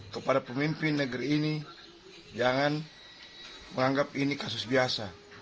kepada pemimpin negeri ini jangan menganggap ini kasus biasa